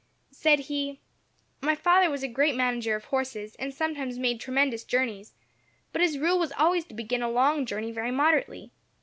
Said he, "My father was a great manager of horses, and sometimes made tremendous journeys. But his rule was always to begin a long journey very moderately.